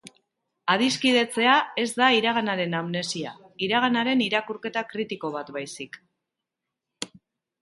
Adiskidetzea ez da iraganaren amnesia, iraganaren irakurketa kritiko bat baizik.